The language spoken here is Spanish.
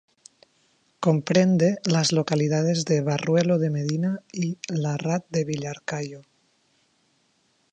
Comprende las localidades de Barruelo de Medina y La Rad de Villarcayo.